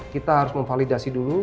kita harus memvalidasi dulu